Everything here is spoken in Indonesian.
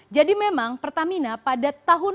jadi memang pertamina pada tahun dua ribu enam belas